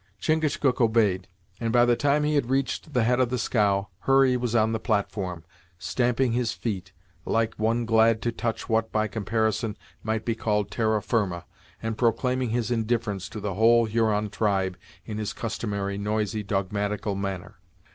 Chingachgook obeyed, and by the time he had reached the head of the scow, Hurry was on the platform, stamping his feet, like one glad to touch what, by comparison, might be called terra firma, and proclaiming his indifference to the whole Huron tribe in his customary noisy, dogmatical manner.